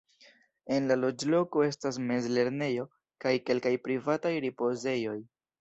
En la loĝloko estas mez-lernejo kaj kelkaj privataj ripozejoj.